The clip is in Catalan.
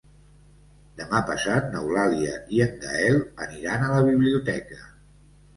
Demà passat n'Eulàlia i en Gaël aniran a la biblioteca.